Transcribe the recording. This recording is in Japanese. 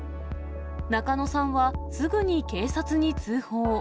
中野さんは、すぐに警察に通報。